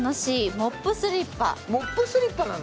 モップスリッパなの？